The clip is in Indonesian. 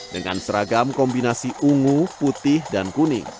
dengan seragam kombinasi ungu putih dan kuning